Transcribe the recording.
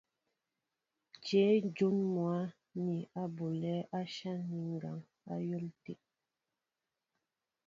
Jě ǹjún mwǎ ni á bolɛ̌ áshán ni ŋ̀kaŋ á yɔ̌l tê ?